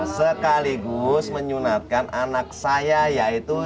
sekaligus menyunatkan anak saya yaitu